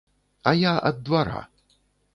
А я ад двара.